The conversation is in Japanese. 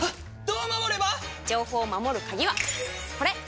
どう守れば⁉情報を守る鍵はこれ！